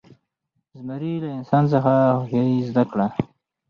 زمري له انسان څخه هوښیاري زده کړه.